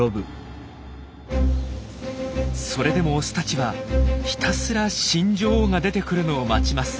それでもオスたちはひたすら新女王が出てくるのを待ちます。